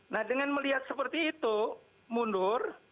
nah dengan melihat seperti itu mundur